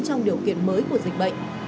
trong điều kiện mới của dịch bệnh